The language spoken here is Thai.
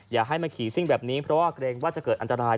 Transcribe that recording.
อย่าให้มาขี่ซิ่งแบบนี้เพราะว่าเกรงว่าจะเกิดอันตราย